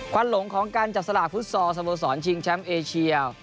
หลงของการจับสลากฟุตซอลสโมสรชิงแชมป์เอเชีย